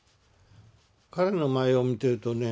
彼の舞を見てるとね